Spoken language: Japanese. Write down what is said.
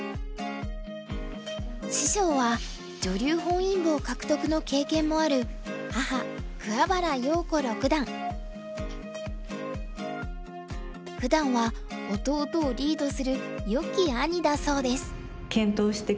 師匠は女流本因坊獲得の経験もあるふだんは弟をリードするよき兄だそうです。